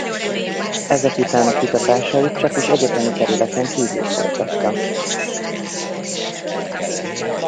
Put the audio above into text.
Ezek után a kutatásait csakis egyetemi területen kívül folytatta.